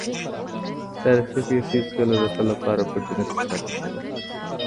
تاریخي پېښې هېڅکله د تل لپاره پټې نه سي پاتې کېدای.